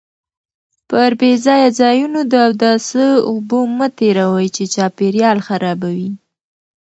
پر بې ځایه ځایونو د اوداسه اوبه مه تېروئ چې چاپیریال خرابوي.